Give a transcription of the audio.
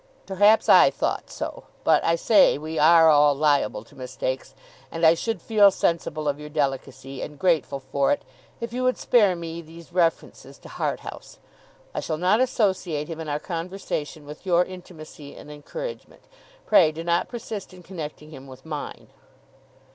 'Perhaps I thought so. But, I say we are all liable to mistakes and I should feel sensible of your delicacy, and grateful for it, if you would spare me these references to Harthouse. I shall not associate him in our conversation with your intimacy and encouragement; pray do not persist in connecting him with mine.